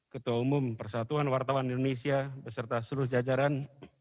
ketua umum persatuan wartawan indonesia beserta seluruh jajaran